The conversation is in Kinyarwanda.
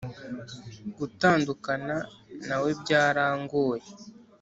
gutandukana nawebyarangoye